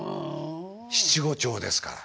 七五調ですから。